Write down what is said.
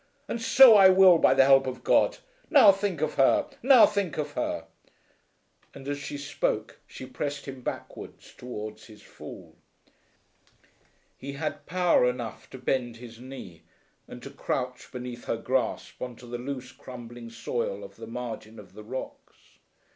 "And so I will, by the help of God. Now think of her! Now think of her!" And as she spoke she pressed him backwards towards his fall. He had power enough to bend his knee, and to crouch beneath her grasp on to the loose crumbling soil of the margin of the rocks.